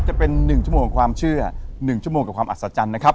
จะเป็น๑ชั่วโมงของความเชื่อ๑ชั่วโมงกับความอัศจรรย์นะครับ